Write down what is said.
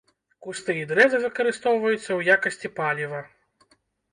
Кусты і дрэвы выкарыстоўваюцца ў якасці паліва.